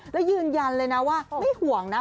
แล้วยืนยันเลยนะว่าไม่ห่วงนะ